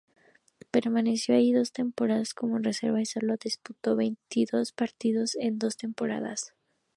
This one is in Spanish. Permaneció allí dos temporadas como reserva y solo disputó veintidós partidos en dos temporadas.